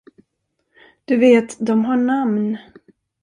Du vet, de har namn.